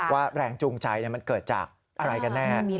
ว่าแรงจูงใจเกิดจากครั้งงี้